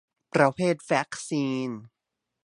ประเภทวัคซีน